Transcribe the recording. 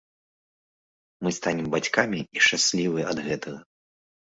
Мы станем бацькамі і шчаслівыя ад гэтага.